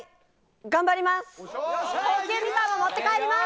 頑張ります。